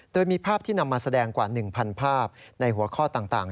โดยมีภาพที่นำมาแสดงกว่า๑๐๐ภาพในหัวข้อต่าง